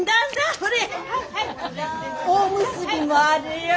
ほれおむすびもあるよ。